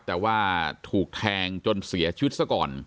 แต่ว่าถูกแทงจนเสียชีวิตซะก่อน